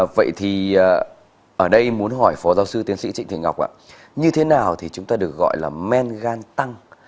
vậy thì ở đây muốn hỏi phó giáo sư tiến sĩ trịnh thị ngọc ạ như thế nào thì chúng ta được gọi là men gan tăng